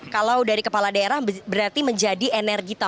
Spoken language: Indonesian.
kalau dari kepala daerah berarti menjadi energi terbarukan